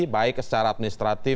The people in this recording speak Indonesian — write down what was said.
baik secara administrasi